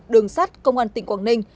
đường sát công an tỉnh quảng ninh